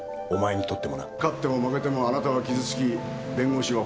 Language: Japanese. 勝っても負けてもあなたは傷つき弁護士は報酬をもらう。